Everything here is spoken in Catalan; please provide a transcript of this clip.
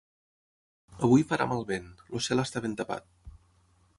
Avui farà mal vent, el cel està ben tapat.